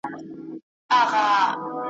هر یو غشی چي واریږي زموږ له کور دی `